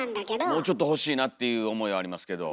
もうちょっと欲しいなっていう思いはありますけど。